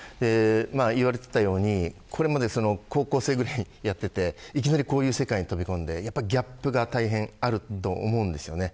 言われていたようにこれまで高校生くらいでやっていていきなりこういう世界に飛び込んでギャップが大変あると思うんです。